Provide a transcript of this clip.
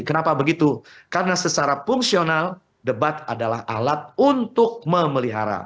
kenapa begitu karena secara fungsional debat adalah alat untuk memelihara